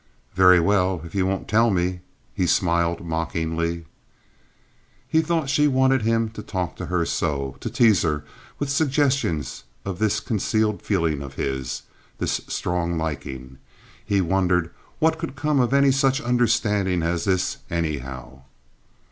"Very well, if you won't tell me," he smiled, mockingly. He thought she wanted him to talk to her so, to tease her with suggestions of this concealed feeling of his—this strong liking. He wondered what could come of any such understanding as this, anyhow?